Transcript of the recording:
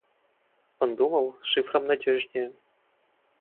Он думал, шифром надежнее.